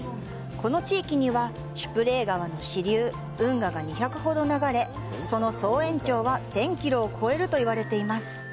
この地域には、シュプレー川の支流、運河が２００ほど流れその総延長は１０００キロを超えるといわれています。